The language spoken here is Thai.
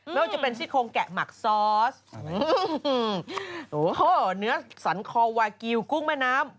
ไม่ว่าจะเป็นซี่โครงแกะหมักซอสเนื้อสันคอวากิลกุ้งแม่น้ำ